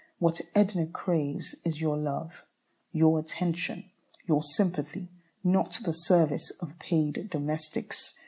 What Edna craves is your love, your attention, your sympathy, not the service of paid domestics.